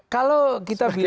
kalau kita bilang